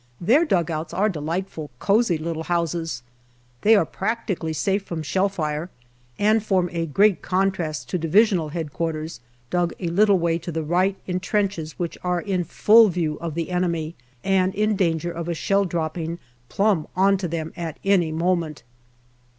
Their dugouts are delight fully cosy little houses ; they are practically safe from shell fire and form a great contrast to Divisional H.Q., dug a little way to the right in trenches which are in full view of the enemy and in danger of a shell dropping plumb on to them at any moment.